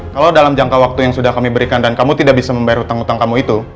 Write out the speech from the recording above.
kalau dalam jangka waktu yang sudah kami berikan dan kamu tidak bisa membayar hutang hutang kamu itu